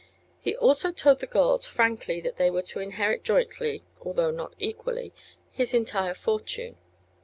He also told the girls frankly that they were to inherit jointly although not equally his entire fortune.